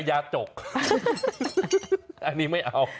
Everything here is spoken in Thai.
อันนี้ไม่เอา